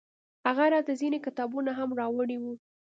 هغه راته ځينې کتابونه هم راوړي وو.